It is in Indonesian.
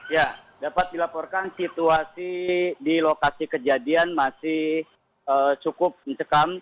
ya dapat dilaporkan situasi di lokasi kejadian masih cukup mencekam